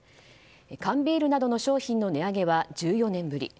缶ビールなどの商品の値上げは１４年ぶり。